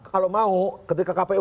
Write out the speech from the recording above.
kalau mau ketika kpu